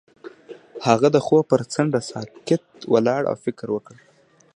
هغه د خوب پر څنډه ساکت ولاړ او فکر وکړ.